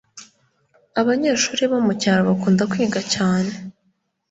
Abanyeshyuri bo mu cyaro bakunda kwiga cyane